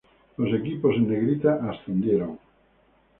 Los equipos en Negrita ascendieron.